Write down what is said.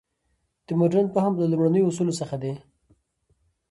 د مډرن فهم له لومړنیو اصولو څخه دی.